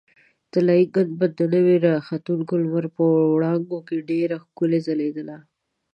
طلایي ګنبده د نوي راختونکي لمر په وړانګو کې ډېره ښکلې ځلېدله.